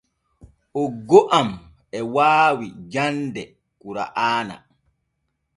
Oggo am e waawi jande kura’aana.